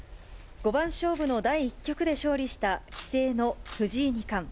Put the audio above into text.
五番勝負の第１局で勝利した棋聖の藤井二冠。